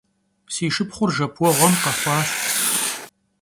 Si şşıpxhur jjepueğuem khexhuaş.